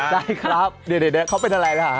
ใช่ครับเขาเป็นอะไรค่ะ